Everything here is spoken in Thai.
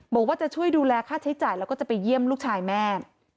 บอกว่าจะช่วยดูแลค่าใช้จ่ายแล้วก็จะไปเยี่ยมลูกชายแม่